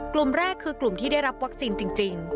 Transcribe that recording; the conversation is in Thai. กลุ่มแรกคือกลุ่มที่ได้รับวัคซีนจริง